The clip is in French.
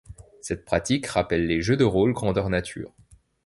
Cette pratique rappelle les jeux de rôle grandeur nature.